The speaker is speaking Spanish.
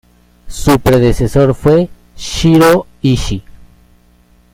Su predecesor fue Shirō Ishii.